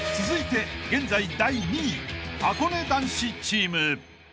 ［続いて現在第２位はこね男子チーム］